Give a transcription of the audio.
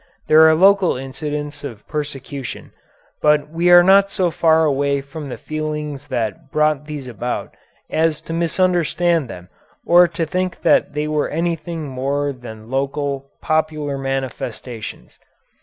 There are local incidents of persecution, but we are not so far away from the feelings that brought these about as to misunderstand them or to think that they were anything more than local, popular manifestations.